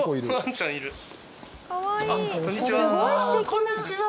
こんにちは。